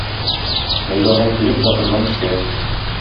Мәйданга килеп атыннан төшә.